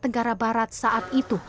tentara barat saat itu